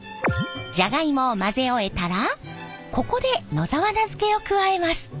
じゃがいもを混ぜ終えたらここで野沢菜漬けを加えます。